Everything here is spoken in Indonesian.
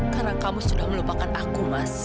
karena kamu sudah melupakan aku mas